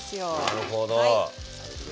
なるほど。